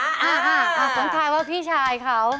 กรรมการทายว่าพี่ชายเขา